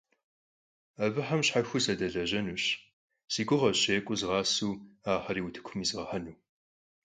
Abıxem şhexueu sadelejenuş, si guğeş, yêk'uu zğaseu, axeri vutıkum yizğehenu.